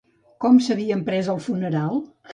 Com s'havien pres el funeral?